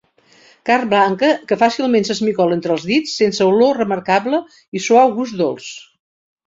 Carn blanca, que fàcilment s'esmicola entre els dits, sense olor remarcable i suau gust dolç.